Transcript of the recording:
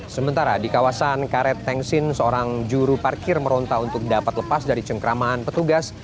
sementara di kawasan karet tengsin seorang juru parkir meronta untuk dapat lepas dari cengkraman petugas